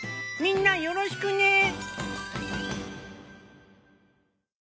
みんなよろしくね。